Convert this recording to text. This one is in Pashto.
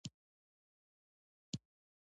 د ياد امر تر څنګ ب